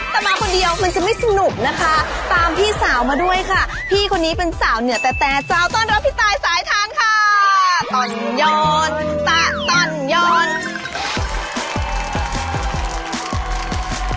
แต่มาคนเดียวมันจะไม่สนุกนะคะตามพี่สาวมาด้วยค่ะพี่คนนี้เป็นสาวเหนือแต่แต่เจ้าต้อนรับพี่ตายสายทานค่ะ